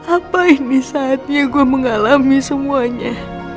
apa ini saatnya gue mengalami semuanya